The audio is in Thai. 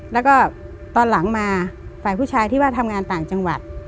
แล้วก็ตอนหลังมาฝ่ายผู้ชายที่ว่าทำงานต่างจังหวัด